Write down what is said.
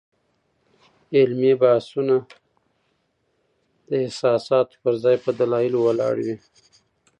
علمي بحثونه د احساساتو پر ځای په دلایلو ولاړ وي.